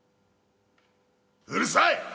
うるさい！